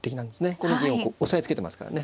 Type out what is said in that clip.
この銀をこう押さえつけてますからね。